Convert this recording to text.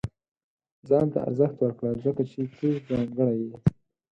• ځان ته ارزښت ورکړه، ځکه چې ته ځانګړی یې.